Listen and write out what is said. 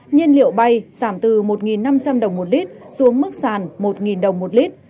nhiên liệu bay giảm từ một năm trăm linh đồng một lít xuống mức sàn một đồng một lít